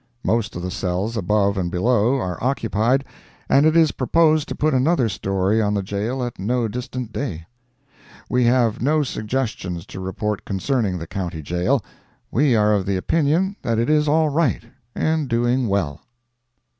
Most of the cells, above and below, are occupied, and it is proposed to put another story on the jail at no distant day. We have no suggestions to report concerning the County Jail. We are of the opinion that it is all right, and doing well.